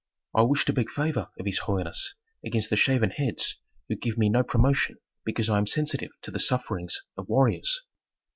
"I wish to beg favor of his holiness against the shaven heads who give me no promotion because I am sensitive to the sufferings of warriors."